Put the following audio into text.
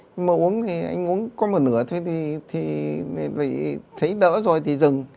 nhưng mà uống thì anh uống có một nửa thế thì thấy đỡ rồi thì dừng